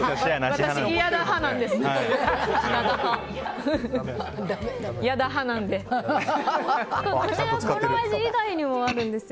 私、ヤダ派なんです。